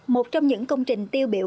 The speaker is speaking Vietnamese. một trong những công trình tiêu biểu